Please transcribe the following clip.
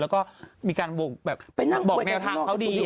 และก็มีการบอกแบบบอกแนวทางเค้าดี